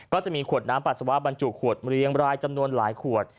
ก็จะมีขวดน้ำปัสสาวะบรรจุขวดเรียงรายจำนวนหลายขวด